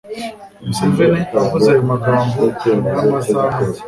museveni avuze ayo magambo nyuma y'amasaha make